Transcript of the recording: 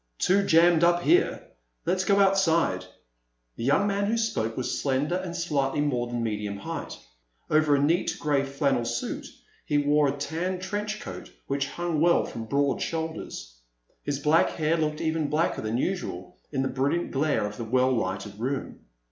"Too jammed up here. Let's go outside." The young man who spoke was slender and slightly more than medium height. Over a neat gray flannel suit he wore a tan trench coat which hung well from broad shoulders. His black hair looked even blacker than usual in the brilliant glare of the well lighted room.